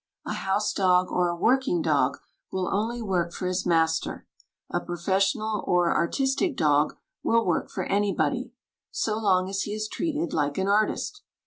A house dog or a working dog will only work for his master; a professional or artistic dog will work for anybody, so long as he is treated like an artist.